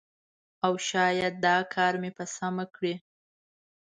او شاید دا کار مې په سمه کړی